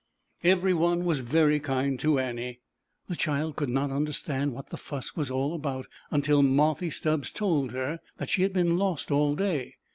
Every one was very kind to Annie. The child could not understand what the fuss was all about, until Marthy Stubbs told her that she had been lost all day.